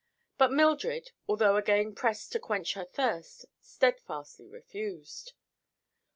But Mildred, although again pressed to quench her thirst, steadfastly refused.